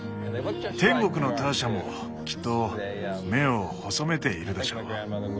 天国のターシャもきっと目を細めているでしょう。